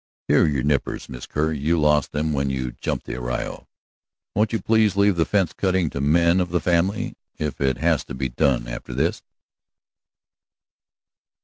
"Here are your nippers, Miss Kerr; you lost them when you jumped that arroyo. Won't you please leave the fence cutting to the men of the family, if it has to be done, after this?"